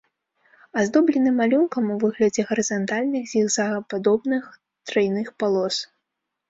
Аздоблены малюнкам у выглядзе гарызантальных зігзагападобных трайных палос.